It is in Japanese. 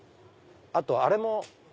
あとあれも。